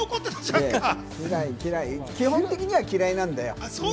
基本的には嫌いなんだよ。